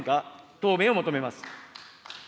答弁を求めます。